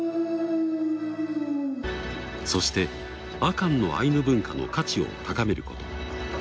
そして阿寒のアイヌ文化の価値を高めること。